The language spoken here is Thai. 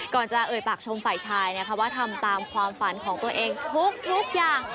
ก่อนจะเอ่ยปากชมฝ่ายชายนะคะว่าทำตามความฝันของตัวเองทุกอย่าง